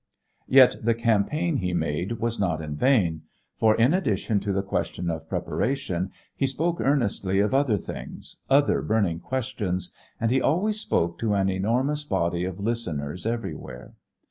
Yet the campaign he made was not in vain, for in addition to the question of preparation he spoke earnestly of other things, other burning questions, and he always spoke to an enormous body of listeners everywhere.